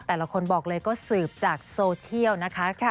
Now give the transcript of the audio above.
แต่ละคนบอกเลยก็สืบจากโซเชียลนะคะ